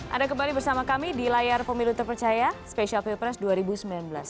ada kembali bersama kami di layar pemilu terpercaya spesial pilpres dua ribu sembilan belas